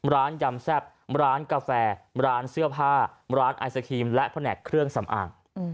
ยำแซ่บร้านกาแฟร้านเสื้อผ้าร้านไอศครีมและแผนกเครื่องสำอาง